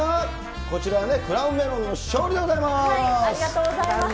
こちらはね、クラウンメロンの勝ありがとうございます。